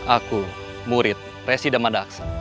aku murid resi damadaksa